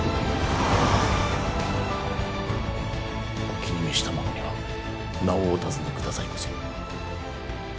お気に召した者には名をお尋ね下さいませ。